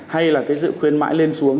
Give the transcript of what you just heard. hay là sự khuyên mãi lên xuống